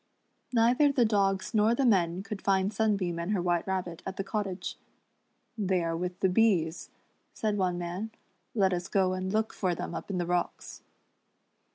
Neither the dogs nor the men could find Sunbeam and her White Rabbit at the cottage. "They are with the bees," said one man, "let us go and look for them up in the rooks."